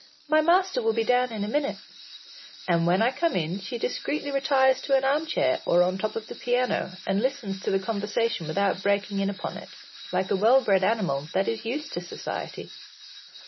My master will be down in a minute.” And when I come in she discreetly retires to an arm chair or on top of the piano, and listens to the conversation without breaking in upon it, like a well bred animal that is used to society.